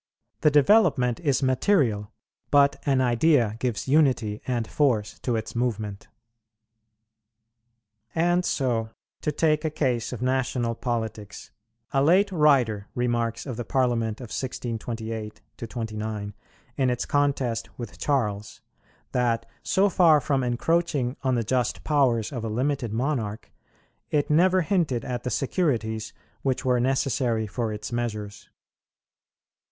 The development is material; but an idea gives unity and force to its movement. And so to take a case of national politics, a late writer remarks of the Parliament of 1628 29, in its contest with Charles, that, so far from encroaching on the just powers of a limited monarch, it never hinted at the securities which were necessary for its measures.